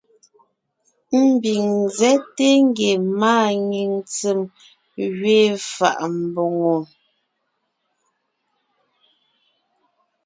Ḿbiŋ ńzέte ngie màanyìŋ ntsém gẅiin fà’a mbòŋo.